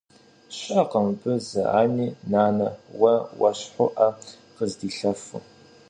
Щыӏэкъым мыбы зы ани, нанэ, уэ уэщхьу ӏэ къыздилъэфу.